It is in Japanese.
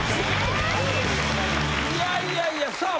いやいやいやさあ